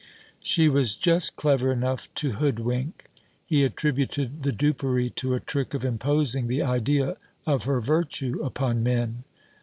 She was just clever enough to hoodwink. He attributed the dupery to a trick of imposing the idea of her virtue upon men.